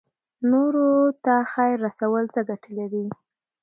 نورو ته خیر رسول څه ګټه لري؟